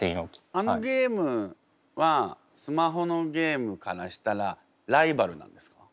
あのゲームはスマホのゲームからしたらライバルなんですか？